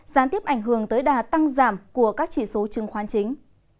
gián tiếp ảnh hưởng tới đà tăng giảm của các chỉ số chứng khoán chính